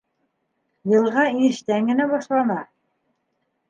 Йылға инештән генә башлана.